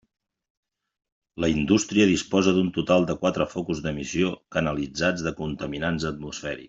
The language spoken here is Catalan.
La indústria disposa d'un total de quatre focus d'emissió canalitzats de contaminants atmosfèrics.